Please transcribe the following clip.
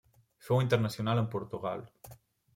Fou internacional amb Portugal.